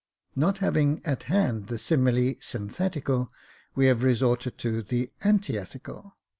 Not having at hand the simile synthetical, we have resorted to the antithetical.